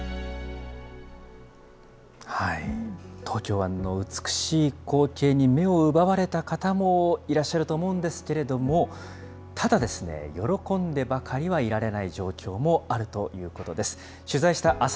東京湾の美しい光景に目を奪われた方もいらっしゃると思うんですけれども、ただ、喜んでばかりはいられない状況もあるということです。